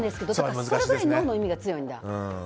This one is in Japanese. それくらいノーの意味が強いんだ。